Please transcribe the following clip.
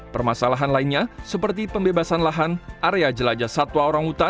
permasalahan lainnya seperti pembebasan lahan area jelajah satwa orang hutan